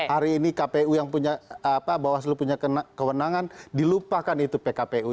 hari ini kpu yang punya bawaslu punya kewenangan dilupakan itu pkpu